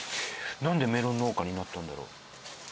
なんでメロン農家になったんだろう？